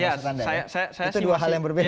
itu dua hal yang berbeda